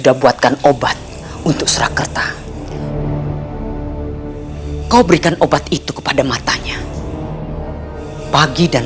kau k school quick tori mungkin bisa expanding bagi nuo pengetahuan